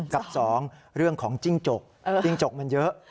กับ๒เรื่องของจิ้งจกจิ้งจกมันเยอะ